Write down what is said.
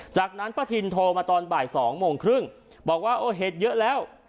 จากนั้นป้าทินโทรมาตอนบ่าย๒โมงครึ่งบอกว่าโอ้เหตุเยอะแล้ว